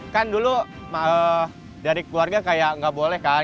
kan dulu dari keluarga kayak nggak boleh kan